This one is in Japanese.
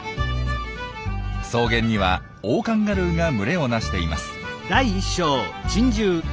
草原にはオオカンガルーが群れをなしています。